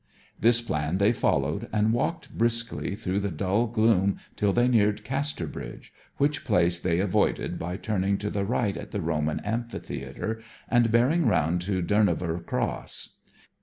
This plan they followed, and walked briskly through the dull gloom till they neared Casterbridge, which place they avoided by turning to the right at the Roman Amphitheatre and bearing round to Durnover Cross.